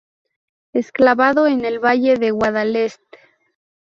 Enclavado en el Valle de Guadalest.